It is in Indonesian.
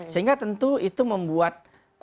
sehingga tentu itu membuat